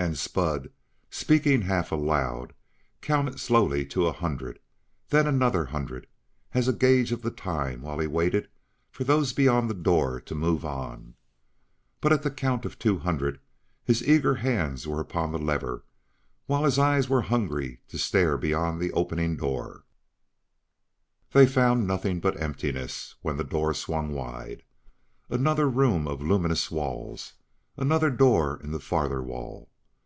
And Spud, speaking half aloud, counted slowly to a hundred, then another hundred, as a gage of the time while he waited for those beyond the door to move on. But at the count of two hundred his eager hands were upon the lever, while his eyes were hungry to stare beyond the opening door. They found nothing but emptiness when the door swung wide. Another room of luminous walls; another door in the farther wall.